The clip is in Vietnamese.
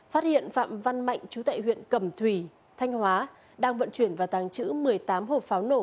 phát hiện phạm văn mạnh chú tại huyện cẩm thủy thanh hóa đang vận chuyển và tàng trữ một mươi tám hộp pháo nổ